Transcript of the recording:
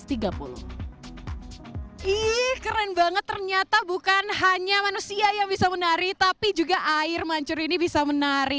ih keren banget ternyata bukan hanya manusia yang bisa menari tapi juga air mancur ini bisa menari